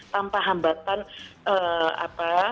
tanpa hambatan apa